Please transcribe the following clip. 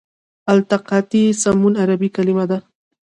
التقاطي سمون عربي کلمه ده.